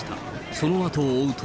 そのあとを追うと。